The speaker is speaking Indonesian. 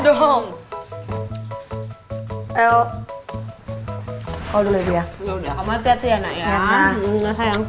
udah udah kamu hati hati ya nak